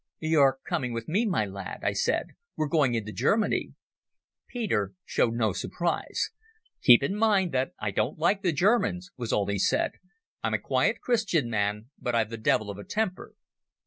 "You're coming with me, my lad," I said. "We're going into Germany." Peter showed no surprise. "Keep in mind that I don't like the Germans," was all he said. "I'm a quiet Christian man, but I've the devil of a temper."